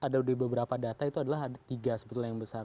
dari beberapa data itu adalah ada tiga sebetulnya yang besar